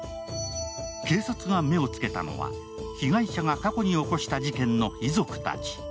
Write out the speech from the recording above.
警察が目をつけたのは被害者が過去に起こした事件の遺族たち。